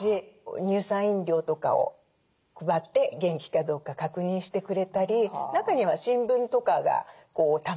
乳酸飲料とかを配って元気かどうか確認してくれたり中には新聞とかがたまっていないか。